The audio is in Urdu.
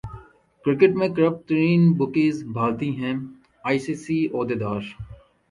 کرکٹ میں کرپٹ ترین بکیز بھارتی ہیں ائی سی سی عہدیدار